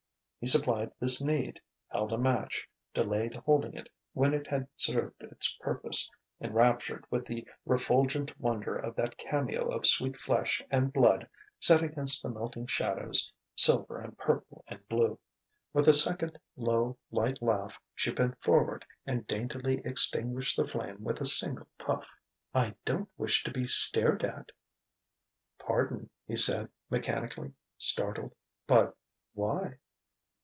He supplied this need; held a match; delayed holding it when it had served its purpose, enraptured with the refulgent wonder of that cameo of sweet flesh and blood set against the melting shadows, silver and purple and blue. With a second low, light laugh, she bent forward and daintily extinguished the flame with a single puff. "I don't wish to be stared at...." "Pardon," he said mechanically, startled. "But ... why?"